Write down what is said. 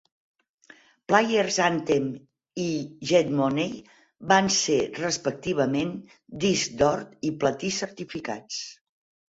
"Player's Anthem" i "Get Money" van ser, respectivament, disc d'or i platí certificats.